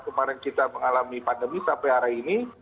kemarin kita mengalami pandemi sampai hari ini